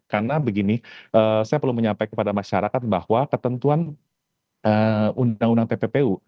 karena begini saya perlu menyampaikan kepada masyarakat bahwa ketentuan undang undang pppu